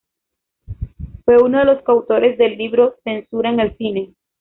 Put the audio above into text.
Fue uno de los coautores del libro "Censura en el cine".